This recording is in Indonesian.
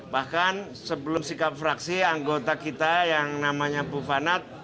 bahkan sebelum sikap fraksi anggota kita yang namanya bufanat